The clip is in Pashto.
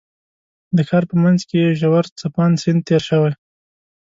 د ښار په منځ کې یې ژور څپاند سیند تېر شوی.